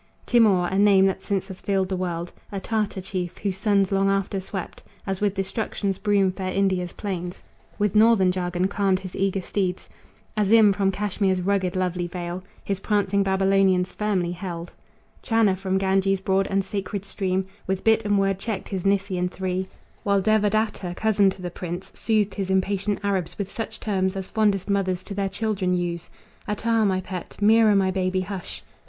Timour a name that since has filled the world, A Tartar chief, whose sons long after swept As with destruction's broom fair India's plains With northern jargon calmed his eager steeds; Azim, from Cashmere's rugged lovely vale, His prancing Babylonians firmly held; Channa, from Ganges' broad and sacred stream, With bit and word checked his Nisaean three; While Devadatta, cousin to the prince, Soothed his impatient Arabs with such terms As fondest mothers to their children use; "Atair, my pet! Mira, my baby, hush!